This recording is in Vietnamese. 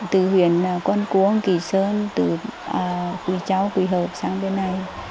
từ huyện con cuông kỳ sơn từ quỳ cháu quỳ hợp sang bên này